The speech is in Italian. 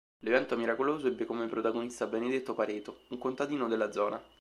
L'evento miracoloso ebbe come protagonista Benedetto Pareto, un contadino della zona.